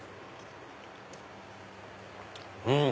うん！